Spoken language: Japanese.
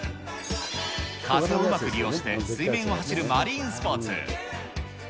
風をうまく利用して水面を走るマリンスポーツ。